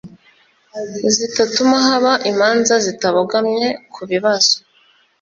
zitatuma haba imanza zitabogamye ku bibazo